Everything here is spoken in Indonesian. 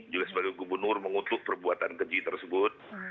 juga sebagai gubernur mengutuk perbuatan keji tersebut